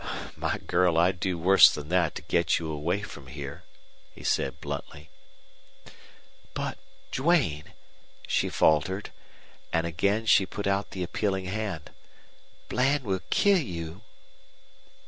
"My girl, I'd do worse than that to get you away from here," he said, bluntly. "But Duane," she faltered, and again she put out the appealing hand. "Bland will kill you."